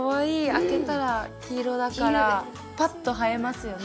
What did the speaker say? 開けたら黄色だからパッと映えますよね。